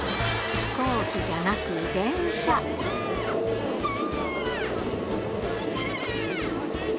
飛行機じゃなく、来たー！